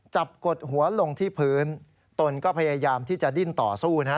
กดหัวลงที่พื้นตนก็พยายามที่จะดิ้นต่อสู้นะฮะ